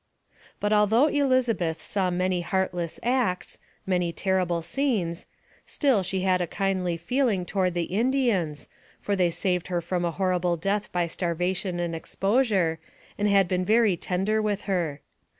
But although Elizabeth saw many heartless acts many terrible scenes still she had a kindly feeling toward the Indians, for they saved her from a horrible death by starvation and exposure, and had been very tender with her.